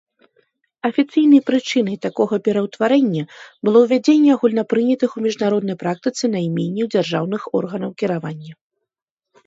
Афіцыйнай прычынай такога пераўтварэння было ўвядзенне агульнапрынятых у міжнароднай практыцы найменняў дзяржаўных органаў кіравання.